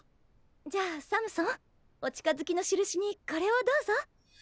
じゃあサムソンお近づきのしるしにこれをどうぞ。